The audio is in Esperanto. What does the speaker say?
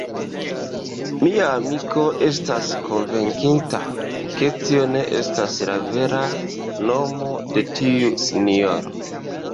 Mia amiko estas konvinkita, ke tio ne estas la vera nomo de tiu sinjoro.